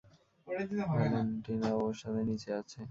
ভ্যালেন্টিনাও ওর সাথে নিচে আছে।